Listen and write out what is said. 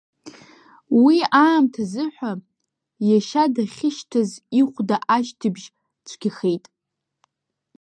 Уи аамҭазыҳәа, иашьа дахьышьҭаз ихәда ашьҭыбжь цәгьахеит.